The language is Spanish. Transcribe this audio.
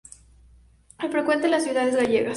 Es frecuente en las ciudades gallegas.